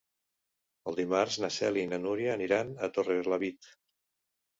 Dimarts na Cèlia i na Núria aniran a Torrelavit.